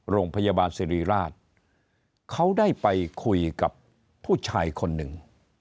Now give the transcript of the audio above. โรงพยาบาลสิริราชเขาได้ไปคุยกับผู้ชายคนหนึ่ง